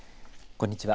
こんにちは。